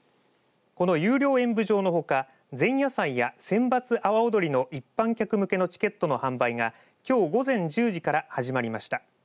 この有料演舞場のほか前夜祭や選抜阿波おどりの一般客向けのチケットの販売がきょう午前１０時から始まりました。